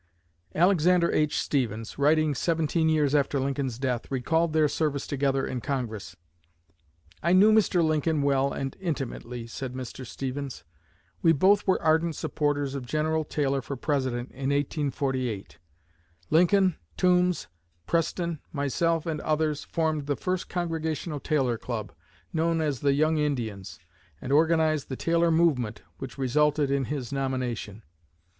Alexander H. Stephens, writing seventeen years after Lincoln's death, recalled their service together in Congress. "I knew Mr. Lincoln well and intimately," said Mr. Stephens. "We both were ardent supporters of General Taylor for President in 1848. Lincoln, Toombs, Preston, myself, and others, formed the first Congressional Taylor Club, known as 'The Young Indians,' and organized the Taylor movement which resulted in his nomination.